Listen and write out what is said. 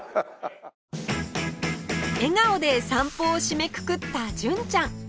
笑顔で散歩を締めくくった純ちゃん